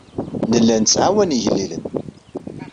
Nella nettɛawan igellilen.